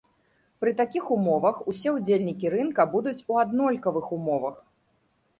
Пры такіх умовах усе ўдзельнікі рынка будуць у аднолькавых умовах.